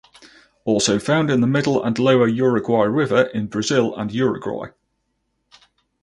Also found in the middle and lower Uruguay River in Brazil and Uruguay.